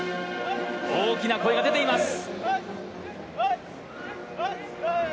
大きな声が出ています。